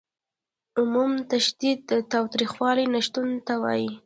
عدم تشدد د تاوتریخوالي نشتون ته وايي.